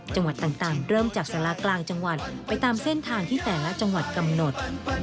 จังหวัดต่างเริ่มจากสารากลางจังหวัดไปตามเส้นทางที่แต่ละจังหวัดกำหนด